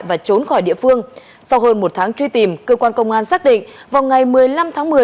và trốn khỏi địa phương sau hơn một tháng truy tìm cơ quan công an xác định vào ngày một mươi năm tháng một mươi